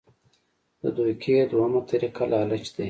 د دوکې دویمه طريقه لالچ دے -